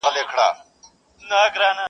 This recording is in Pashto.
وايی سوله به راځي ملک به ودان سي-